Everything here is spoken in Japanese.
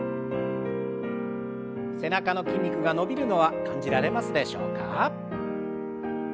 背中の筋肉が伸びるのは感じられますでしょうか。